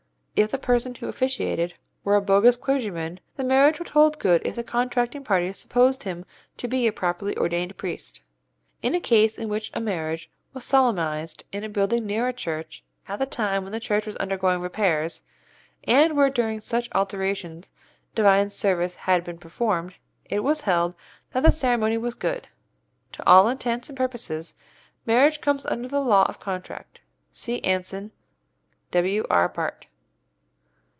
If the person who officiated were a bogus clergyman, the marriage would hold good if the contracting parties supposed him to be a properly ordained priest. In a case in which a marriage was solemnized in a building near the church at a time when the church was undergoing repairs, and where during such alterations Divine service had been performed, it was held that the ceremony was good. To all intents and purposes marriage comes under the 'Law of Contract' (see Anson, W.R., Bart.)